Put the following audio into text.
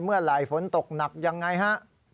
เมื่อไหร่ฝนตกหนักยังไงฮะ